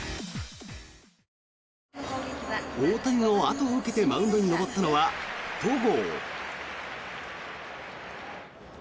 大谷の後を受けてマウンドに登ったのは戸郷。